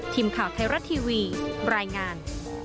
ทีมข่าวไทยรัตน์ทีวีบรรยายงาน